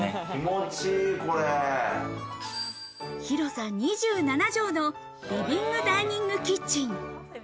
広さ２７畳のリビングダイニングキッチン。